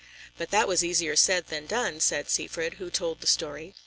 "But that was easier said than done," said Seyfried who told the story.